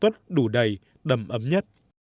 mẫu tuất đủ đầy đầm ấm nhất